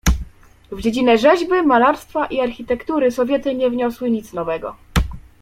"W dziedzinę rzeźby, malarstwa i architektury Sowiety nie wniosły nic nowego."